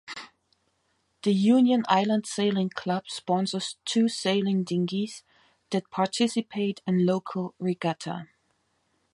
The Union Island Sailing Club sponsors two sailing dinghies that participate in local regattae.